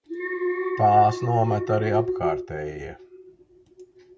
Tās nomet arī apkārtējie.